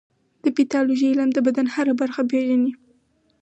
د پیتالوژي علم د بدن هره برخه پېژني.